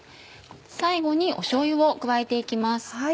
最後にしょうゆを加えて行きます。